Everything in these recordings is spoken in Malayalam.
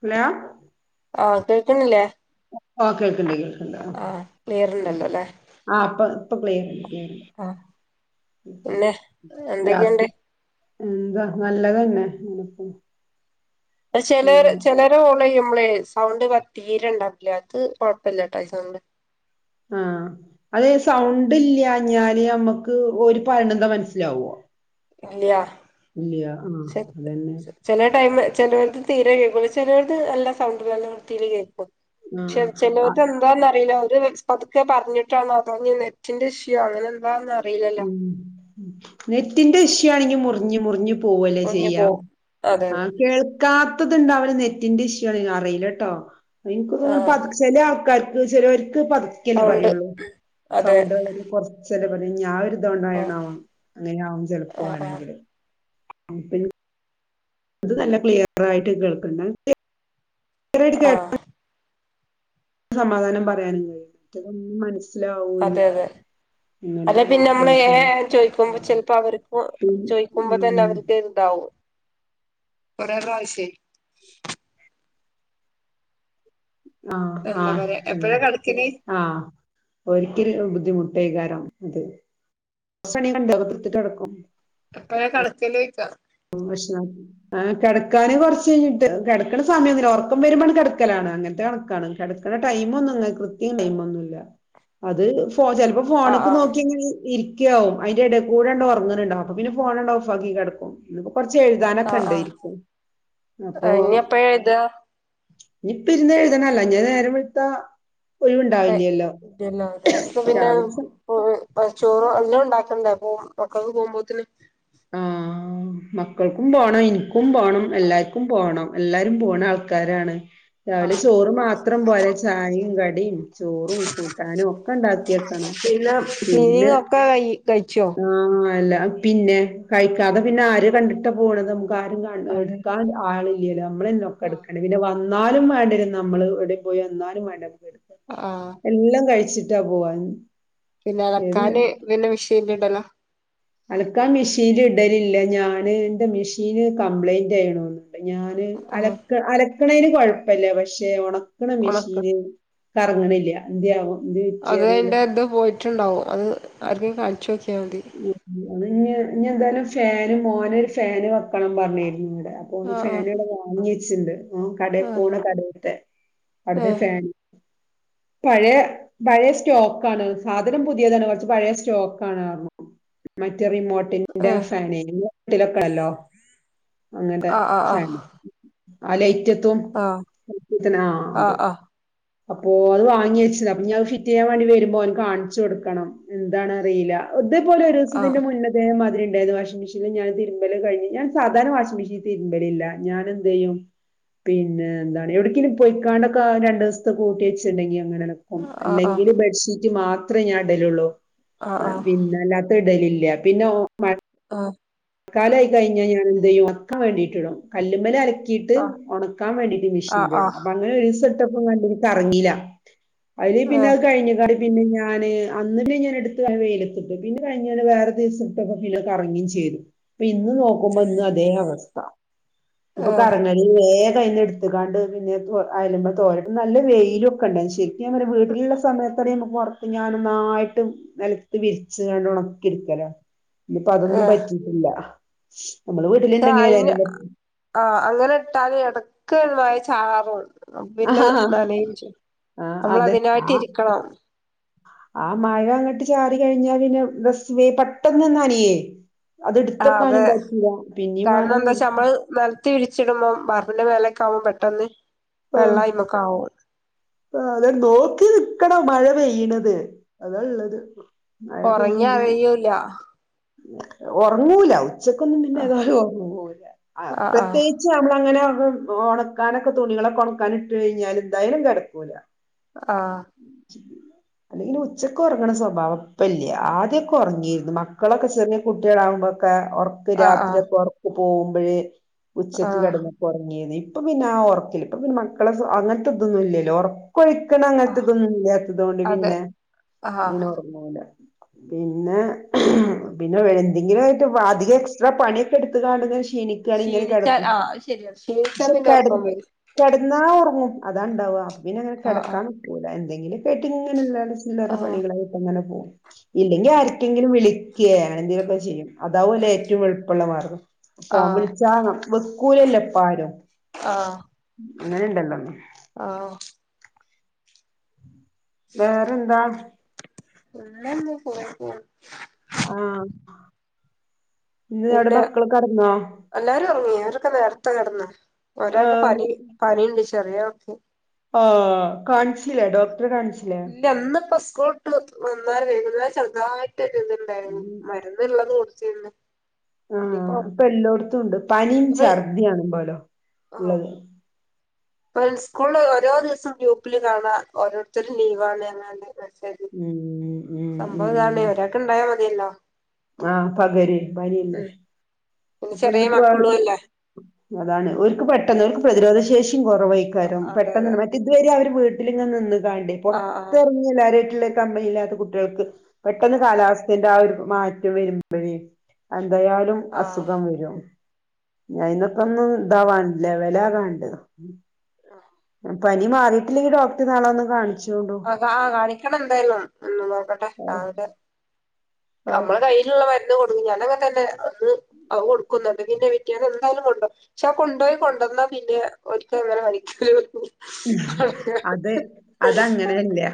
ഹലോ ആഹ് കേക്ക്ന്നില്ലേ ഓ കേൾക്ക്ണ്ട് കേൾക്ക്ണ്ട് ക്ലിയർ ഉണ്ടല്ലോ അല്ലേ ആഹ് അപ്പൊ ഇപ്പൊ ക്ലിയറ്ണ്ട് ക്ലിയറ്ണ്ട് ആഹ് [inaudible] പിന്നെ എന്തൊക്കെയുണ്ട് [unintelligible] എന്താ നല്ലതെന്നെ ഇങ്ങനെപ്പോണ് പക്ഷെലോര് ചെലോര് ഞാൻ കോളീയ്യുമ്പളേയ് സൗണ്ട് പറ്റ് തീരെ ഇണ്ടാവില്യ ഇത് കൊഴപ്പല്യാട്ടാ ഈസൗണ്ട് ആഹ് അതെ സൗണ്ട് ഇല്യാഞ്ഞാല് നമുക്ക് ഓല് പർണെന്താ മൻസ്സിലാവോ ഇല്യ ഇല്യാ ആഹ് അതെന്നെ ചെലെ ടൈമ് ചെലോരത് തീരെ കേൾക്കൂല ചിലോരത് നല്ല സൗണ്ടും നല്ല വൃത്തീല് കേൾക്കും ചെൽ ആ ചലോര്തെൻ അതാന്നറീല്ല ഒരു വെസ് പത്ക്കെ പർഞ്ഞിട്ടാണോ അതോഞ്ഞ് നെറ്റിന്റെ ഇഷ്യു അങ്ങനെ എന്താന്ന് അറിയില്ലല്ലോ ഉം ഉം നെറ്റിന്റെ ഇഷു ആണെങ്കി മുറിഞ്ഞ് മുറിഞ്ഞ് പോവെല്ലേ ഒടിഞ്ഞു ചെയ്യാ പോവും അതെ അതെ ആഹ് കേൾ കാത്ത ഇത് ഇണ്ടാവ്ണത് നെറ്റിന്റെ ഇഷ്യൂ ആണ് അറീലട്ടോ ഇൻകാെക്കെ ഇങ്ങനെ ആഹ് പത് ചെലെ ആൾക്കാർക്ക് ചെലോര്ക്ക് പത്ക്കെല്ലെ സൗണ്ട് പറയാെള്ളൂ അതെ സൗണ്ടേള്ങ്ങനെ കൊറ ച്ചെലെ പണിഞാ ആഒര് ആഹ് താണ്ടാേയണാവാെ അങ്ങനെയാവും ചെലപ്പാെ ആഹ് വേണെങ്കില് ആഹ് [unintelligible] ഇത് നല്ല ക്ലിയറായിട്ട് കേൾക്ക്ണ് ആഹ് സമാധാനം പറയാനും കഴിയും മറ്റതൊന്നും മനസ്സിലാവൂല്യ അല്ലെ പിന്നെ അമ്മള് ഏഹ് ഏഹ് ഏഹ് ചോയ്ക്കുമ്പൊ ചെൽപ്പൊ അവർക്കാെ പിൻ- ചോയ്ക്കുമ്പാെ തന്നെ ഉം അവർക്കൈന് ഇതാവും ഓരോരൊ ആവശ്യേ ആഹ് എന്താ ആഹ് പറയാ എൻ എപ്പഴാ കടക്കല് ആഹ് ഓൽക്കെര് ബുദ്ധിമുട്ടേകാരം ഇത് [unintelligible] എപ്പളാ കടക്കലാേയ്ക്കാ അതും പ്രശ്നാക്കി അങ്ങനെ കെടക്കാന് കാെറച്ച് കെയ്ഞ്ഞിട്ട് കിടക്കണ സമയൊന്നില്ല ഒറർക്കം വെരുമ്പണ്ട് കെട്ക്കലാണ് അങ്ങൻത്തെ കണക്കാണ് കെടക്ക്ണ ടൈമാെന്നും അങ്ങനെ കൃത്യം ടൈമാെന്നുല്യ അത് ഫോ ചെൽപം ഫോണക്ക് ആഹ് നോക്കി അങ്ങനെ ഇരിക്ക്യാവും ഐന്റെ എടെകൂടണ്ട് ഒറങ്ങ്ണ് ഇണ്ടാവും അപ്പാെ പിന്നെ ഫോണണ്ട് ഓഫാക്കി കെടക്കും ഇന്ന്പ്പൊ കൊറച്ച് എഴ്താനൊക്കെ ആഹ് ആഹ് ഇണ്ടേര്ക്കും അപ്പോ ആഹ് ഇനി എപ്പഴാ എഴുതാ ഇഞ്ഞ് ഇപ്പെര്ന്ന് എഴ്തണം അല്ലാഞാല് നേരം വെള്ത്താ ഒഴിവ്ണ്ടാവില്യല്ലോ രാവിലെ സമയം ഉം ഉം ആഹ് ചോറും എല്ലതും ഇണ്ടാക്കണ്ടെ അപ്പോം മക്കൾക്ക് പോവുമ്പോത്തിന് [inaudible] ഉം മക്കൾക്കും പോണം ഇനിക്കും പോണം എല്ലാര്ക്കും പോണം എല്ലാരും പോണ ആൾക്കാരാണ് രാവിലെ ചോറ് മാത്രം പോരേയ് ചായിം കടിം ചോറും കൂട്ടാനും ഒക്കെ ഇണ്ടാക്ക്യെക്കണം അം സീങ്ങ്ഒക്കെ കൈ കഴിച്ചോ ആഹ് അല്ലാപിന്നെ കഴിക്കാതെ പിന്നെ ആര് കണ്ട്ട്ടാ പോണത് നമുക്ക് ആരും കാണ് ഹ് അതെ ഇട്ക്കാ ആള് ഇല്യലോ ഇമ്മളെന്നെ ഒക്കെ ഇട്ക്കണേ പിന്നെ വന്നാലും വേണ്ടെരും നമ്മള് എവെടെ പോയി വന്നാലും വേണ്ടെ അപ്പുളും എട്ക്കാ ആഹ് എല്ലം കഴിച്ചിട്ടാ പോവാന് പിന്നെ അലക്കാന് പിന്നെ മിഷീൻല് ഇടലാ അലക്കാൻ മിഷീൻല് ഇടലില്ല ഞാന് ഇന്റെ മിഷീന് കംപ്ലൈന്റൈണു ഓന്ന്ണ് ഞാന് ഉം അലക്ക അലക്ക്ണൈന് കൊഴപ്പല്യ പക്ഷെ ഒണക്ക്ണ ഒണക്ക് മിഷീന് കറങ്ങ്ണ്ല്യ എൻന്ത്യെ ആവാെ എന്തേ വെറ്റിഅറീല്ല ട്ട് ഇണ്ടാവും അത് ആർക്കെങ്കിലും കാൺച്ചോക്കിയാ മതി അത് ഇഞ്ഞ് ഇഞ്ഞ് എന്തായാലും ഫാന് മോനാെരു ഫാന് വെക്കണം പർണീര്ന്നു ഇവടെ അ പോന് ആ ഫാന് ആ ഇവടെ വാങ്ങി വെച്ച്ണ്ട് ഓൻ ആ കടേക്ക്പോണ കടേത്തെ ഏ അവ്ട്ത്തെ ഫാന് പഴയ പഴയ സ്റ്റോക്ക ആണ് സാധനം പുതിയതാണ് കുറച്ച് പഴയ സ്റ്റോക്ക ആണ് പറ്ഞ്ഞു മറ്റ ഏ റിമോട്ടിന്റെ ഫാനനട്ടിലൊക്കണല്ലോ അങ്ങത്തെ ആ ആ ആ ഫാന് ആ അലൈറ്റത്തുംറ്റത്തിനാ ആ അത് ആ അപ്പോ അത് വാങ്ങിച്ച് അപ്പഞ്ഞത് ഫിറ്റയ്യാൻവേണ്ടിവരുമ്പോൾ ഓനക്ക് കാണിച്ചു കൊടുക്കണം. എന്താണ അറിയില്ല ഇതേപോലെ ഒരു ആ ആ ദിവസത്തിന്റെ മുന്ന അതേ മാതിരി ഉണ്ടരുന്നു വാഷിംഗ മെഷീനി ഞാൻ തിരുമ്പല കഴിഞ് ഞാൻ സാധരണ വാഷി് മെഷീൽ തിരുമ്പലില്ല ഞാന് എന്ത് ചെയും പിന്നെ എന്താണ് എവിടങ്കിലും പെയിക്കാണ്ടൊക്കെ രണ്ട് ദിവസത്തെ കൂട്ടി വെച്ചുണ്ടെങ്കി അങ്ങനെെ ആ ആ ആ അല്ലെങ്കിൽ ബെഡ്ഷീറ്റ് മാത്രമേ ഞാൻ ഇടലുള്ളൂ ആ ആ പിന്ന അല്ലാത്ത ഇടലില്ല പിന്നെ ഒ മഴ ആഹ ക്കാലായി കഴിഞ്ഞാൽ ഞാൻ എന്ത് ചെയ്യും ഒണക്കാ വേണ്ടിയിട്ടിടും കല്ലുമല അ ട്ട് ഉണക്കാൻ വേണ്ടിട്ട് ആ മെഷീനില ആ ആ ഉണ്ട് അപ്പൊ [unintelligible] ഒരീസട്ടപ്പം കറങ്ങില്ല അതില് ഏ പിന്നെ അത് കഴിഞ്ഞ കടി പിന്നെ ഞാന് അന്നല്ലേ ഞാന് എടുത്ത് വെയിലെത്തിട്ട് പിന്നെ കഴിഞ്ഞാല് വേറെ ദിവസംട്ടൊക്ക പിന്നെ കറങ്ങിം ചെയ്ത് ഇപ്പൊ ഇന്ന് നോക്കുമ്പോ ഇന്ന് അതേ അവസ്ഥ ഏ ഇപ്പൊ കറങ്ങ വേഗയ്ന്ന്ടു ത്ത്ക്കാണ്ട് പിന്നെ അയല്മതോരട്ട് നല്ല വെയിലും ഒക്കെ ഉണ്ട ശരിക്കു [unintelligible] വീട്ടിലുള്ള [unintelligible] പുറത്ത് അപ്പ ഞാനൊന്നായിട്ട് നിലത്ത് വിരിച്ച് കാണ്ട് ഉണക്കി ഇടുക്കലോ ഇനിയിപ്പ ഏ അതൊന്നും പറ്റി ഇല്ല നമ്മള് വീട്ടിലുണ്ടെങ്കിലെ ആഹ അങ്ങനെ ഇട്ടാല് എടക്ക് മഴചാറും ആ പിന്നെ നനിം ആ നമ്മൾ അതെ ആ അതിനായിട്ട് ഇരിക്കണം ആ മഴ അങ്ങോട്ട് ചാറി കഴിഞ്ഞാ പിന്നെ പെട്ടെന്ന് നനിയേ അത് ആ അതെ ഇട്ത്തക്കാനും പറ്റില്ല പിന്നിം കാരണം വേണം എന്താ വെച്ചാ നമ്മള് നിലത്തിരിച്ചിടുമ്പോം ബാർപ്പിന്റെ മേലക്ക ആവുമ്പോ പെട്ടെന്ന് വെള്ളായ്മക്കെ ആവും. ആ അതെ നോക്കി നിൽക്കണം മഴ പെയ്യണത് അതള്ളത് ഒറങ്ങി അറിയൂല്ല ഒറങ്ങൂല ഉച്ചക്കൊന്നും പിന്നെ ആ ഏതാലും ഒറങ്ങൂല ആ പ്രത്യേകി ഉച്ചാവുമ്പളങ്ങനെ ഒണക്കാനൊക്കെ തുണികളൊക്കെ ഒണക്കാനിട്ട് കഴിഞ്ഞാൽ എന്തായാലും കെടക്കൂല ആഹ ഉം ചെയ്യൂല അല്ലെങ്കിൽ ഉച്ചക്ക് ഒറങ്ങ്ണ സ്വഭാവം പ്പ ഇല്ല ആദ്യക്കെ ഒറങ്ങിക്ക്ണ് മക്കളൊക്കെ ചെറ കുട്ടികളാവുമ്പോക്കെ ഒറക്ക് ആഹ് രാത്രി ആഹ് ഒക്കെ ഒറക്ക് പോകുമ്പോഴ് ഉച്ചക്ക് ആഹ് കിടന്ന് ഒറങ്ങീനി ഇപ്പ പിന്നെ ആ ഒറക്ക്ല്ലാട്ടോ ഇപ്പ പിന്നെ മക്കള് അങ്ങനത്തെ ഇതെന്നു ഇല്ലല്ലോ ഒ കൊഴിക്കണ അങ്ങന് ആഹ് ത്തതൊന്നുംല്ലാത്തത് കൊണ്ട് അതെ പിന്നെ ആഹ് ഇങ്ങനെ ഓറ്ങ്ങൂല പിന്നെ പിന്നെ എന്തെങ്കിലും ആയിട്ട് അധികം എക്സ്ട്രാ പണിയൊക്കെ എടുത്ത കാണ്ട് ങ്ങനെ ക്ഷി ക്ഷീണിക്കാണ് ഇങ്ങനെ ക്ഷീണിച്ചാൽ കിടക്കും ആഹ് അത് ശരിയാണ് ക്ഷീണിച്ചാ പക്ഷെ പിന്നെ കെട ഒറക്കം വരും കെടന്ന ഓർങ്ങും അതാ ഉണ്ടാവാ പിന്നെ അങ്ങനെ ആഹ് കെടക്കാൻ നിക്കൂല എന്തെങ്കിലും ആയ്ട്ടിങ്ങനെ ചില്ലറ ആഹ് പണികളായിട്ട്ങ്ങനെ പോവും. ഇല്ലെങ്കി ആർക്കെങ്കിലും വിളിക്ക അങ്ങനെന്തെങ്കിലുക്കെ ചെയ്യും. അതാവുല്ലേ ഏറ്റവും എളുപ്പമുള്ള മാർഗം. ഫോൺ ആഹ് വിളിച്ചാ വെക്കൂലല്ലോ ഇപ്പാരും ആഹ് അങ്ങനെ ഇണ്ടല്ലോ. ആ വേറെന്താ? പിന്നങ്ങ് പോയി പോ ആഹ ഇല്ല. കെടന്നോ എല്ലാരും ഒറങ്ങി ആവരൊക്കെ നേരത്തെ കെടന്ന്. ഒരാൾക്ക് ആഹ് പനി പനിയുണ്ട്. ചെറിയാള്ക്ക് ആ കാണിച്ചില്ലേ ഡോക്ടറേ കാണിച്ചില്ലേ? ഇല്ല ഇന്നിപ്പ സ്കൂൾ വിട്ട് വന്നാരെ വൈകുന്നേരം ചെറുതായിട്ട് ഇത് ണ്ട് ഉം [unintelligible] ആഹ ഇനിയിപ്പോ ഇപ്പൊ എല്ലോയിടത്തും ഉണ്ട്. പനിയും ഇപ്പ ഛർദിയും ആണുള്ളത്. ഇപ്പോ സ്കൂളില് ഓരോ ദിവസം ഗ്രൂപ്പില് കാണാം ഓരോരുത്തരും ലീവാണ് എന്നു മ് മ് ഉം സംഭവം ഉം ഇതാണേ ഒരാൾക്ക് ഉണ്ടായാ മതിയല്ലോ. ആ പകരും പനിയല്ലേ. ഉം പിന്നെ ഇപ്പൊ ചെറിയ ഇന്നിപ്പോ മക്കളും അല്ലേ അതാണ് ഓര്ക്ക് പെട്ടെന്ന് ഓര്ക്ക് പ്രതിരോധ ശേഷിയും കുറവായി. [unintelligible] അതെ അതെ പെട്ടെന്നമ്മടെ ഇതുവരെ അവര് വീട്ടിലിങ്ങനേ നിന്ന് കാണ്ടേ പൊറത്ത് ആഹ് ഇറങ്ങിയെല്ലാരായിട്ടുള്ള അമ്മയില്ലാത്ത കുട്ടികൾക്ക് പെട്ടെന്ന് ആഹ് കാലാവസ്ഥന്റെ ആ ഒരു മാറ്റം വരുമ്പം [unintelligible] എന്തായാലും ആഹ് അസുഖം വരും ഞാൻ ഇന്നൊക്കെ ഒന്നും ഇതാവാനില്ല വെലകാണ്ട് ആഹ് പനി മാറിയിട്ടില്ലെങ്കി ഡോക്ടറെ നാളെ ഒന്ന് കാണിച്ചു ആ കാ കാണിക്കണം എന്തായാലും. ഒന്ന് നോക്കട്ടെ ആഹ് കാണിക്കാം ആഹ് നമ്മള് കൈ വീട്ടിലൊള്ള മരുന്ന് കൊടുക്കും ഞാനങ്ങനെ തന്നെ അന്ന് കൊടുക്കുന്നു പിറ്റേന്ന് എന്തായാലും കൊണ്ടോവും. പക്ഷെ കൊണ്ടുപോയി കൊണ്ടുവന്നാ പിന്നെ ഒരിക്കും അങ്ങനെ പനിക്കും അതേ. അത് അതങ്ങനെതന്നെയാ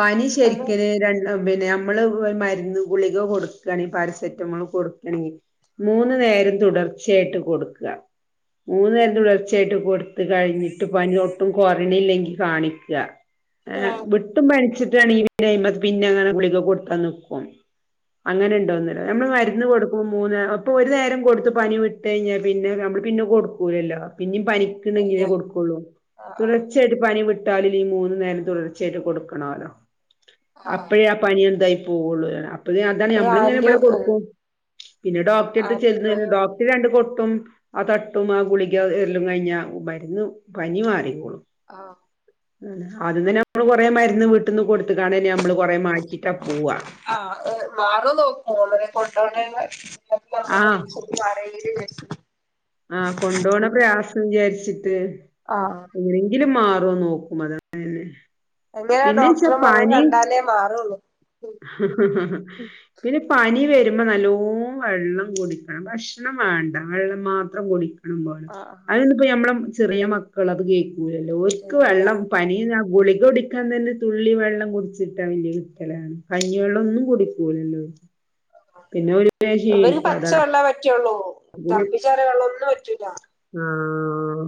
പനി ശരിക്കന് രണ്ട് പിന്നെ നമ്മള് മരുന്ന് ഗുളിക കൊടുക്കയാണെങ്കിൽ പാരസെറ്റമോള് കൊടുക്കയാണെങ്കിൽ മൂന്ന്‌ നേരം തുടർച്ചയായിട്ട് കൊടുക്കുക. മൂന്നു നേരം തുടർച്ചയായിട്ട് കൊടുത്ത് കഴിഞ്ഞിട്ട് പനി ഒട്ടും ഒട്ടും കൊറഞ്ഞില്ലെങ്കിൽ കാണിക്കുക. എ എന്നിട്ടും പനിച്ചിട്ടാണങ്കി പിന്നെ അതിന്മേ പിന്നെങ്ങനെ ഗുളികാ കൊടുത്താ നിക്കും. അങ്ങനെ ഉണ്ടോന്നല്ലേ നമ്മള് മരുന്ന് കൊടുക്കുമ്പോ മൂന്നു നേരം അപ്പൊ ഒരു നേരം കൊടുത്ത് പനി വിട്ട് കഴിഞ്ഞ പിന്നെ നമ്മള് പിന്നെ കൊടുക്കൂലല്ലോ. പിന്നും ഇല്ല പനിക്ക്ണ്ടെങ്കിലെ ആഹ് ആഹ് കൊടുക്കുള്ളൂ. ആഹ് തുടർച്ചയായിട്ട് പനി വിട്ടാലും ഈ മൂന്ന് നേരം തുടർച്ചയായിട്ട് കൊടുക്കണോല്ലോ. ആഹ് അപ്പഴേ ആ പനിയെന്തായി പോവുള്ളൂന്ന്‌. അപ്പ അതാണ് അത് നമ്മളങ്ങനെ ആന്റി ഇവിടെ ഉം കൊടുക്കും. പിന്നെ ഡോക്ടർടടുത്തു ആന്റിബയോട്ടിക് ചെല്ലുന്ന രണ്ട് കൊട്ടും ആ തട്ടും ആ ഗുളിക എല്ലാം കഴിഞ്ഞ മരുന്ന് പനി മാറി. [unintelligible] ആഹ് ആദ്യം തന്നെ നമ്മള് കൊറേ മരുന്ന് വീട്ടിന്ന് കൊടുത്തക്കാണ നമ്മള് കൊറേ മാറ്റിട്ടാ പോവാ. ആ മാറുന്ന്‌ നോക്കും. അന്നരെ കൊണ്ടോണ ആഹ് [unintelligible] ആ കൊണ്ടപോണ പ്രയാസം വിചാരിച്ചിട്ട്. ആഹ് എങ്ങനെങ്കിലും മാറുമോന്ന്‌ നോക്കും. അതാ ഉം അങ്ങനെ ഡോക്ടറെ മുഖം കണ്ടാലേ മാറുള്ളൂ ആ പിന്നെ പനി വരുമ്പോ നല്ലോ വെള്ളം കുടിക്കണം ഭക്ഷണം വേണ്ട വെള്ളം മാത്രം കുടിക്കണം കാണ ആഹ് ആഹ് അതിന്നപ്പോ ഞമ്മളെ ചെറിയ മക്കൾ അത് കേൾക്കൂലല്ലോ ഒക്ക് ചെയ്യൂല വെള്ളം പനിയ ഗുളിക കുടിക്കാൻ തന്നെ തുള്ളി വെള്ളം കുടിച്ചിട്ടാ വല വിത്തലാണ് കഴിഞ്ഞ വെള്ളം ഒന്നും കുടിക്കൂലല്ലോ പിന്നെ വേം ഇന് ക്ഷീണിക്കും പച്ച അതാണ് അപ്പൊ വെള്ള പറ്റുവുള്ളൂ പിന്നെ തളപ്പിച്ചാറിയ വെള്ളമൊന്നും പറ്റൂല ആഹ്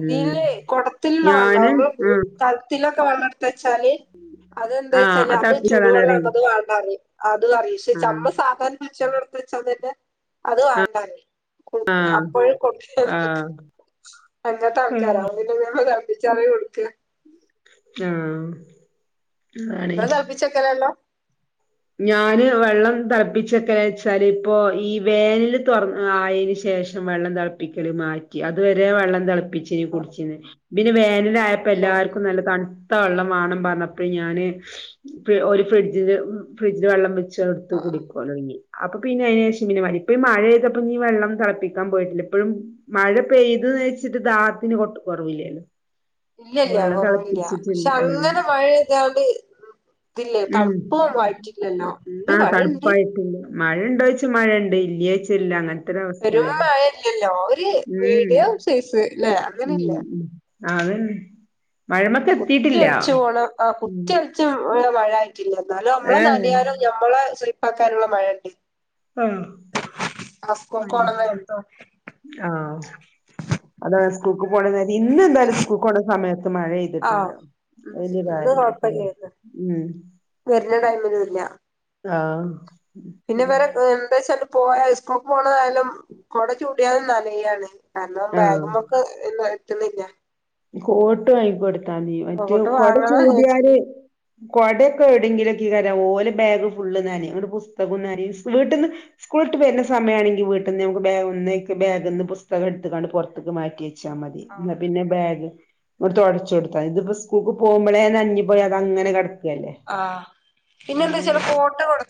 ഉം കുടത്തിലുള്ള ഞാന് വെള്ളമാ ആഹ് കലത്തിലൊക്കെ വെള്ളം എടുത്ത വച്ചാല് അതെന്താ ആഹ് വച്ചാല് അത് തിളപ്പിച്ചതാണ് പറയും ചുടുവെള്ളംണത് വേണ്ട അറിയും. അതും അറിയ പക്ഷെ ആഹ് ചമ്മൾ സാധാരണ പച്ചകള എടുത്ത് വെച്ചാ തന്നെ അത് വേണ്ട അറ കൊടു ആഹ് അപ്പോഴ കൊട്ട ആഹ് എങ്ങനത്തെ ആൾക്കാര് തളപ്പിച്ചാറി കൊടുക്ക ആഹ് അണ വിച്ചക്കരല്ലോ- ഞാന് വെള്ളം തിളപ്പിച്ചക്കെ വെച്ചാല് ഇപ്പോ ഈ വേനൽ തുറന്ന ആയതിനന് ശേഷം- വെള്ളം തിളപ്പിക്കല് മാറ്റി അതു വരെ വെള്ളം തളപ്പ പിന്നെ വേനൽയപ്പോ ഓഹ് എല്ലാവർക്കും- നല്ല തണുത്ത വെള്ളം വേണം പറഞ്ഞപ്പോ ഞാന് ഒരു ഫ്രിഡ്ജില്- ഫ്രിഡ്ജിൽ വെള്ളം വച്ച് എടുത്ത് ആഹ് ആഹ് കുടിക്കും- അപ്പൊ പിന്നെ അതിനന് ശേഷം ഇപ്പൊ ഈ മഴെയ്തപ്പോ നീ വെള്ളം തളപ്പിക്കാൻ പോയിട്ടില്ല ഇപ്പഴും- മഴ പെയ്ത്ന്ന് വെച്ചിട്ട് ദാത്തിന് കൊ കുറവില്ലല്ലോ- ഇല്ലല്ല വെള്ളം കൊറവില്ല തിളപ്പിച്ചിട്ടില്ല പക്ഷെ അങ്ങനെ മഴയ എതാണ്ട്- ഇതില്ലേ തണുപ്പ വായിറ്റില്ലല്ലോ? ആഹ് തണുപ്പായിട്ടില്ല മഴ ഇണ്ട ചഴച്ചച്ച് മഴയുണ്ട് ഇല്ലിയച്ചല്ല അങ്ങനെ എത്ര പെരും അവസ്ഥയല്ലോ മഴല്ലല്ലോ ഒരു ഉം മീഡിയം സൈസ് ല്ലേ അങ്ങനെല്ലേ ഉം. അത മഴമൊക്കെ എത്തിട്ടില്ല- കുത്തിയൊലിച്ചു പോണ ആഹ് കുത്തിയൊലിച്ച് മഴ ആയിട്ടില്ല എന്നാലും നമ്മളെ നനിയാലും മ്മളെ ശുല്പ്പാക്കാനുള്ള മഴ ഉണ്ട്. ആഹ് ആസ്കോ കോണല്ല എന്തോ ആഹ് [unintelligible] അത സ്കൂൾക്ക് പോണ നേരം ഇന്ന എന്തായാലും സ്കൂൾക്ക് പോണ സമയത്ത് ആഹ് മഴെയ്തിട്ടില്ലോ- വലിയ കാര്യം ഉം. വരുന്ന ടൈമിൽ ഇല്ല- ആഹ് പിന്നെ വേറെ എന്താ വെച്ചാലും പോയ സ്കൂൾക്ക് പോണതായാലും കുട ചൂടിയാലും നനയാണ് കാരണം ബാഗ് ആഹ് ഒക്കെ എട്ടുന്നില്ല- കോട്ട് വാങ്ങിക്ക കൊടുത്താ നീ മറ്റേ അങ്ങോട്ട് കൊട വാങ്ങണ വിചാരിച്ചിന് ചൂടിയാര്- കൊടയൊക്കെ എവിടെെങ്കിലൊക്കീ ക ഓലെ ബാഗ് ഫുള് നനയും അങ്ങ പുസ്തകം വീട്ടിൽന്ന് സ്കൂള് വിട്ട് വരുന്ന സമയയാണെങ്കിൽ വീട്ടിൽ നിന്ന് നമുക്ക് ഒ ബാഗന്ന് പുസ്തകം എടുത്ത് കണ്ട് പുറത്തേക്ക് മാറ്റിേ വച്ചാൽ മതി പിന്നെ ബാഗ് തുടച്ചു കൊടുത്ത ഇതിപ്പോ സ്കൂൾക്ക് പോകുമ്പോളേ നഞ്ഞി പോയി അത് അങ്ങനെ കിടക്കുകയല്ലേ- ആഹ് പിന്നെ എന്താച്ച കോട്ട് കൊടു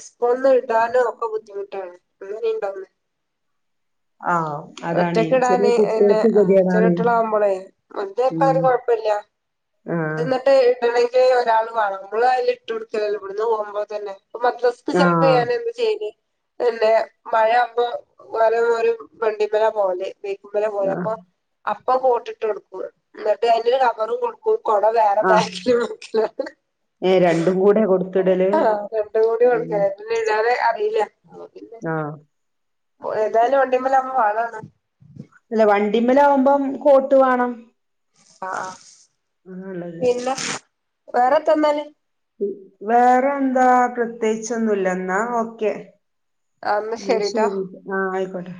ഉസ്കൂൾ വിടാനും ബുദ്ധിമുട്ടാണ് അണ്ടോന്ന് ആഹ് അതാണ് ഒറ്റക്ക് ചെറിയ ഇടാന് പിന്നെ കുട്ടികൾക്ക് ആഹ് ചെറിയ വലിയതാണ് കുട്ടികളാവുമ്പോളേ വല്യ ഉം. ആഹ് എന്നിട്ട് ഇടണമെങ്കിൽ ഒരാൾ വേണം നമ്മൾ അതില് ഇട്ട് കൊടുക്കല്ലേ ഇവിന്ന് പോകുമ്പോ തന്നെ ഇപ്പൊ മദ്രസ്ക്- ചിലപ്പോ ആഹ് ഞാന എന്താ ചെയ്യല് പിന്നെ മഴയാുമ്പോ വേറെ ഒരു വണ്ടിമല പോവൽ ബൈക്ക് മ്മലാണ് പോവൽ ആഹ് അപ്പൊ- അപ്പ കോട്ടിട്ട് കൊടുക്കുവ എന്നിട്ട് അതില് കവറും കൊ കൊട വേറെ ആഹ് ബാഗിൽ നോക്കലാണ്- ഏഹ് രണ്ടും കൂടെ കൊടുത്തിടല് ഇട്ട കൂടി കൊടുക്ക ഉം ഇടാതെ അറിയില്ല- ആഹ് ഏതയാലും വണ്ടിമ്മൽ ആവുമ്പോൾ പകമാണ്- അല്ല വണ്ടിമ്മൽ ആകുമ്പം കോട്ട് വേണം. ആഹ് ആഹ് ആള്ളത് പിന്നെ വേറെത്തന്നല്? വേറെ എന്താ പ്രത്യേകിച്ചൊന്നുംല്ല എന്നാ ഓക്കെ. ആഹ് എന്നാ അഹ് ശരിട്ടോ ശരി ആഹ് അയ്ക്കോട്ടെ